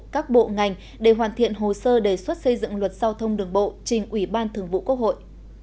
các bộ ngành để hoàn thiện hồ sơ đề xuất xây dựng luật giao thông đường bộ trình ủy ban thường vụ quốc hội